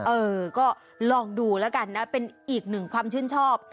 เออก็ลองดูแล้วกันนะเป็นอีกหนึ่งความชื่นชอบ